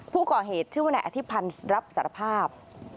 ผู้ก่อเหตุชื่อว่านายอธิพันธ์รับสารภาพ